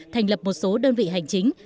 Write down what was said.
thành lập một số đơn vị hành chính